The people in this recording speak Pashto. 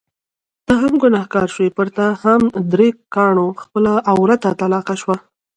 ته هم ګنهګار شوې، پرتا هم په درې کاڼو خپله عورته طلاقه شوه.